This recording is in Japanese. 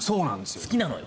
好きなのよ。